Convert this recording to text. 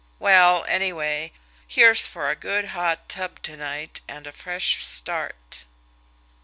Well, anyway, here's for a good hot tub to night, and a fresh start!"